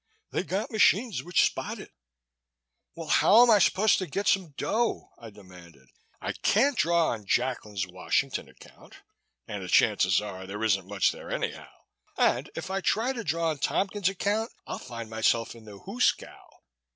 They got machines which spot it." "Well, how'm I going to get some dough?" I demanded. "I can't draw on Jacklin's Washington account and the chances are there isn't much there anyhow. And if I try to draw on Tompkins' account I'll find myself in the hoosegow."